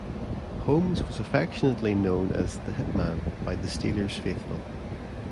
Holmes was affectionally known as "The Hit Man" by the Steelers' faithful.